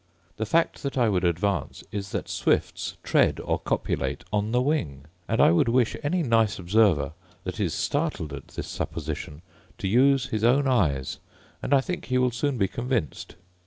The fact that I would advance is, that swifts tread, or copulate, on the wing: and I would wish any nice observer, that is startled at this supposition, to use his own eyes, and I think he will soon be convinced.